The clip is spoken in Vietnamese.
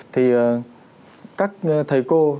thì các thầy cô